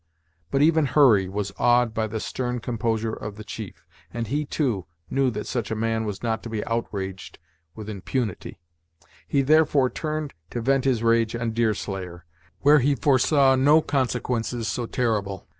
But even Hurry was awed by the stern composure of the chief, and he, too, knew that such a man was not to be outraged with impunity; he therefore turned to vent his rage on Deerslayer, where he foresaw no consequences so terrible.